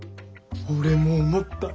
俺も思った。